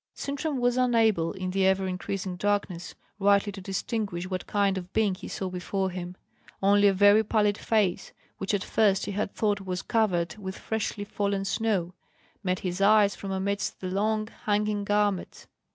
Sintram was unable, in the ever increasing darkness, rightly to distinguish what kind of being he saw before him; only a very pallid face, which at first he had thought was covered with freshly fallen snow, met his eyes from amidst the long hanging garments.